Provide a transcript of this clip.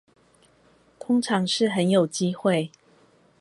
通常是很有機會